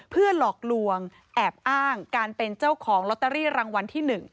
เพื่อหลอกลวงแอบอ้างการเป็นเจ้าของลอตเตอรี่รางวัลที่๑